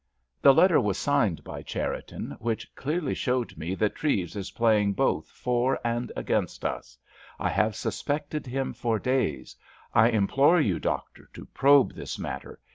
The letter was signed by Cherriton, which clearly showed me that Treves is playing both for and against us. I have suspected him for days. I implore you, doctor, to probe this matter.